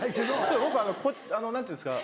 僕何ていうんですか